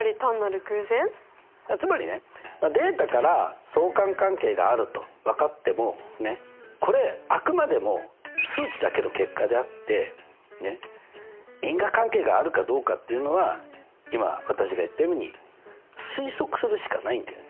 つまりねデータから相関関係があると分かってもこれあくまでも数値だけの結果であって因果関係があるかどうかっていうのは今私が言ったように推測するしかないんだよね。